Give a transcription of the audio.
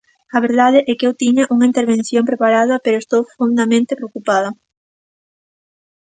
A verdade é que eu tiña unha intervención preparada pero estou fondamente preocupada.